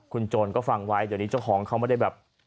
คุณโจรก็ฟังไว้เดี๋ยวนี้เจ้าของเขาไม่ได้แบบ